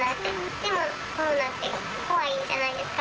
でも、コロナって怖いじゃないですか。